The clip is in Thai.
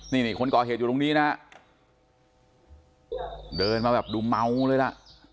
นี่นี่คนก่อเหตุอยู่ตรงนี้นะฮะเดินมาแบบดูเมาเลยล่ะ